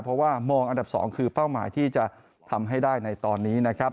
เพราะว่ามองอันดับ๒คือเป้าหมายที่จะทำให้ได้ในตอนนี้นะครับ